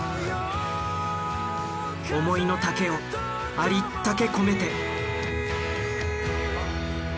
思いの丈をありったけ込めて。